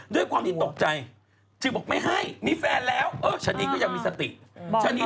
ด้วยความที่ตกใจจึงบอกไม่ให้มีแฟนแล้วเออฉันเองก็ยังมีสติ